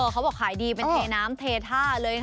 เขาบอกขายดีเป็นเทน้ำเทท่าเลย